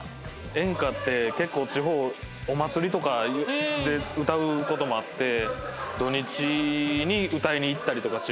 演歌って結構地方お祭りとかで歌う事もあって土日に歌いに行ったりとか地方に。